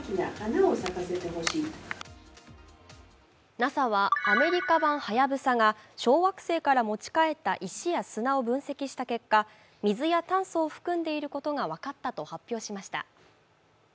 ＮＡＳＡはアメリカ版「はやぶさ」が小惑星から持ち帰った石や砂を分析した結果、水や炭素を含んでいることが分かったと発表しました。